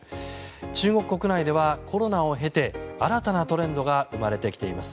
中国国内ではコロナを経て新たなトレンドが生まれてきています。